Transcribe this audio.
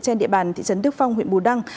trên địa bàn thị trấn đức phong huyện bù đăng